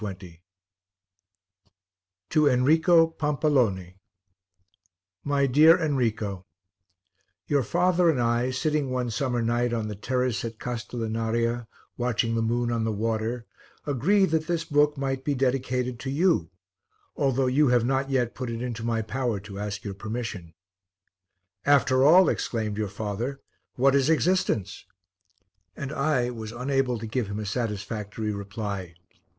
1920 TO ENRICO PAMPALONE MY DEAR ENRICO, Your father and I, sitting one summer night on the terrace at Castellinaria watching the moon on the water, agreed that this book might be dedicated to you, although you have not yet put it into my power to ask your permission. "After all," exclaimed your father, "what is existence?" And I was unable to give him a satisfactory reply.